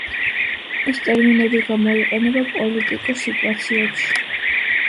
ეს ტერმინები გამოიყენება პოლიტიკურ სიტუაციებში.